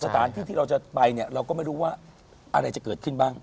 สถานที่ที่เราจะไปเนี่ยเราก็ไม่รู้ว่าอะไรจะเกิดขึ้นบ้าง